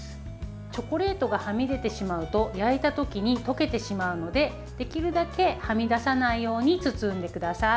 チョコレートがはみ出てしまうと焼いた時に溶けてしまうのでできるだけはみ出さないように包んでください。